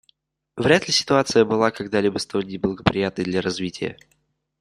Вряд ли ситуация была когда-либо столь неблагоприятной для развития.